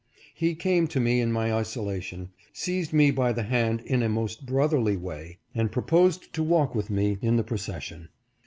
He came to me in my isolation, seized me by the hand in a most brotherly way, and proposed to walk with me in the procession.